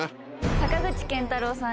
坂口健太郎さん